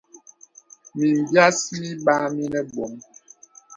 Mìm bìàs mìbàà mìnə bɔ̄m.